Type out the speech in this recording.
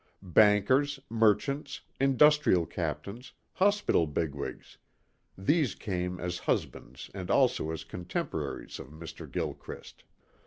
Bankers, merchants, industrial captains, hospital bigwigs these came as husbands and also as contemporaries of Mr. Gilchrist.